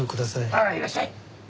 ああいらっしゃい。